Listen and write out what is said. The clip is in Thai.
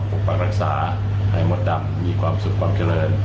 ปกปักรักษาให้มดดำมีความสุขความเจริญ